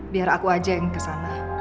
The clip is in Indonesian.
biar aku aja yang kesana